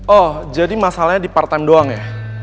oh jadi masalahnya di part time doang ya